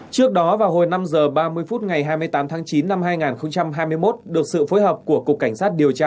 trước đó vào hồi năm h ba mươi phút ngày hai mươi tám tháng chín năm hai nghìn hai mươi một được sự phối hợp của cục cảnh sát điều tra